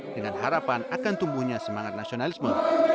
dengan harapan akan tumbuhnya semangat nasionalisme